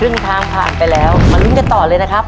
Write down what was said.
ทางผ่านไปแล้วมาลุ้นกันต่อเลยนะครับ